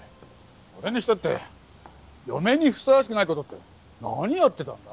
それにしたって嫁にふさわしくない事って何やってたんだ？